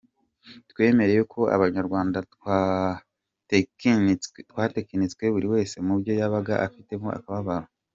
Twemere ko abanyarwanda twatekinitswe, buri wese mubyo yabaga afitemo akababaro.